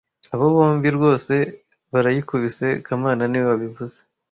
Abo bombi rwose barayikubise kamana niwe wabivuze